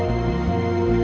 mbak pasti ada yang mau tahu